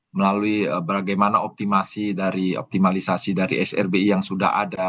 melalui bagaimana optimasi dari optimalisasi dari srbi yang sudah ada